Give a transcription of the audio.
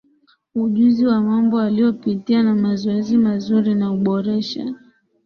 ujuzi wa mambo waliyopitia na mazoea mazuri na huboresha